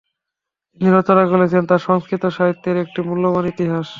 তিনি রচনা করেছিলেন, তা সংস্কৃত সাহিত্যের একটি মূল্যবান ইতিহাস।